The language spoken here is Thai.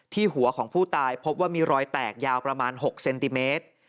หัวของผู้ตายพบว่ามีรอยแตกยาวประมาณ๖เซนติเมตร